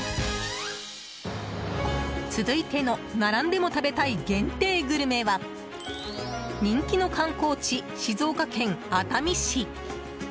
続いての並んでも食べたい限定グルメは人気の観光地、静岡県熱海市。